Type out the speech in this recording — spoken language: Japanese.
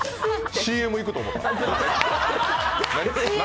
ＣＭいくと思った？